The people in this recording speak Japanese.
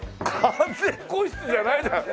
完全個室じゃないじゃん！